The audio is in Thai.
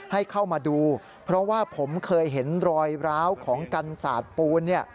ให้เข้ามาดูเพราะว่าผมเคยเห็นรอยร้าวของกันศาสตร์ปูนเนี่ย